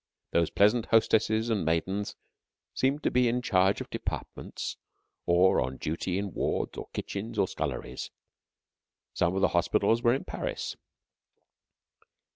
Those pleasant hostesses and maidens seemed to be in charge of departments or on duty in wards, or kitchens, or sculleries. Some of the hospitals were in Paris.